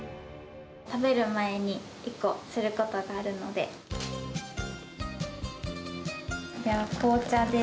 食べる前に、１個、することがあるので。